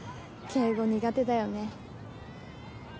敬語、苦手だよね。